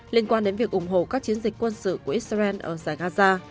liên quan đến việc ủng hộ các chiến dịch quân sự của israel ở giải gaza